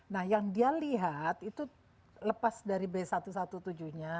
nah yang dia lihat itu lepas dari b satu ratus tujuh belas nya